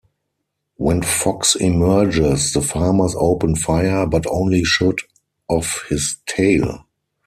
When Fox emerges, the farmers open fire, but only shoot off his tail.